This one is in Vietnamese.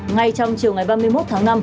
ngay trong chiều ngày ba mươi một tháng năm